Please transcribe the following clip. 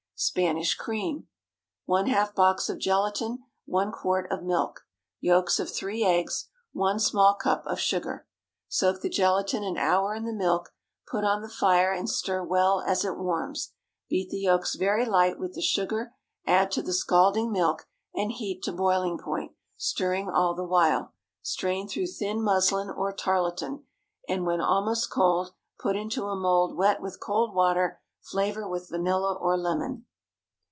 SPANISH CREAM. ✠ ½ box of gelatine. 1 quart of milk. Yolks of three eggs. 1 small cup of sugar. Soak the gelatine an hour in the milk; put on the fire and stir well as it warms. Beat the yolks very light with the sugar, add to the scalding milk, and heat to boiling point, stirring all the while. Strain through thin muslin or tarlatan, and when almost cold, put into a mould wet with cold water. Flavor with vanilla or lemon.